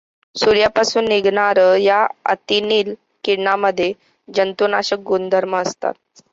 सूर्यापासून निघणार् या अतिनील किरणांमध्ये जंतूनाशक गुणधर्म असतात.